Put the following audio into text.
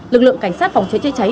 lực lượng cảnh sát phòng cháy chế cháy